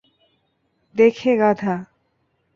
দেখে, গাধা।